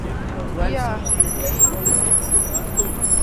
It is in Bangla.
ইয়াহ, মেই!